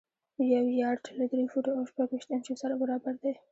یو یارډ له درې فوټو او شپږ ویشت انچو سره برابر دی.